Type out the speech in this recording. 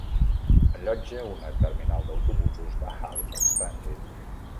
Allotja una terminal d'autobusos de Halifax Transit.